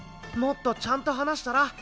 もっとちゃんと話したら？